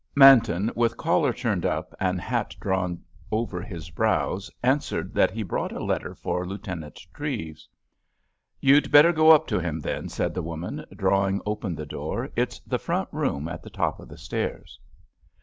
Manton, with collar turned up and hat drawn over his brows, answered that he brought a letter for Lieutenant Treves. "You'd better go up to him, then," said the woman, drawing open the door. "It's the front room at the top of the stairs."